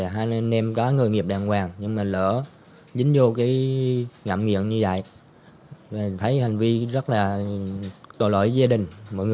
hai anh em có người nghiệp đàng hoàng nhưng lỡ dính vô ngạm nghiện như vậy thấy hành vi rất tội lỗi gia đình